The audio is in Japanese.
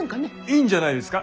いいんじゃないんですか？